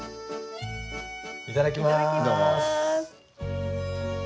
いただきます。